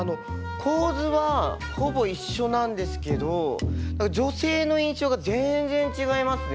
構図はほぼ一緒なんですけど女性の印象が全然違いますね。